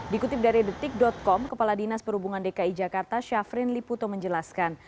dikutip dari detik com kepala dinas perhubungan dki jakarta syafrin liputo menjelaskan